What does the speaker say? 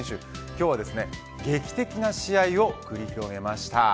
今日は劇的な試合を繰り広げました。